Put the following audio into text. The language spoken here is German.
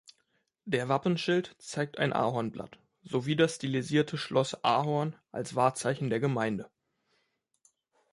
Der Wappenschild zeigt ein Ahornblatt sowie das stilisierte Schloss Ahorn als Wahrzeichen der Gemeinde.